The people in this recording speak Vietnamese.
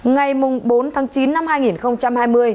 ngày bốn tháng chín năm hai nghìn hai mươi hùng là đối tượng cầm đầu